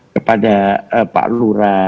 kepada pak lura